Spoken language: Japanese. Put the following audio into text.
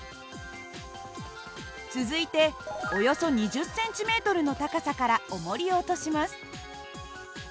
続いておよそ２０ｃｍの高さからおもりを落とします。